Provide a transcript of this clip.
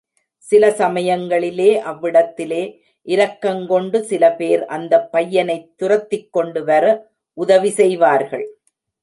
சில சமயங்களிலே அவ்விடத்திலே இரக்கங்கொண்டு சில பேர் அந்தப் பையனைத் துரக்கிக்கொண்டு வர உதவி செய்வார்கள்.